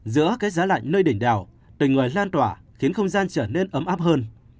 giữa cái giá lạnh nơi đỉnh đảo tình người lan tỏa khiến không gian trở nên ấm áp hơn